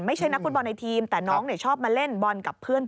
นักฟุตบอลในทีมแต่น้องชอบมาเล่นบอลกับเพื่อน